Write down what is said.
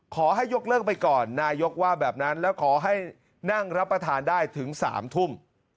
ขอให้ยกเลิกไปก่อนนายกว่าแบบนั้นแล้วขอให้นั่งรับประทานได้ถึง๓ทุ่ม